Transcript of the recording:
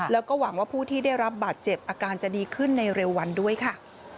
แล้วก็หวังว่าผู้ที่ได้รับบาดเจ็บอาการจะดีขึ้นในเร็ววันด้วยค่ะ